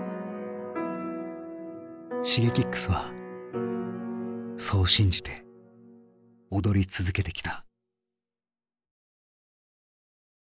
Ｓｈｉｇｅｋｉｘはそう信じて踊り続けてきた。